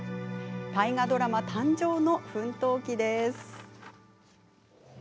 大河ドラマ誕生の奮闘記です。